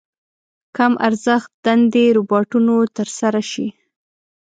کم ارزښت دندې روباټونو تر سره شي.